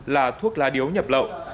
là thuốc lá điếu nhập lậu